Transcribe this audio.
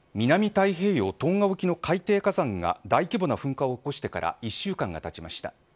南太平洋トンガ沖の海底火山が大規模な噴火を起こしてから１週間が立ちました。